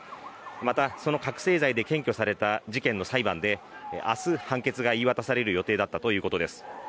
また、その覚醒剤で検挙された事件の裁判で明日、判決が言い渡される予定だったということです。